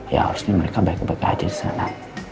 ya harusnya mereka baik baik aja disana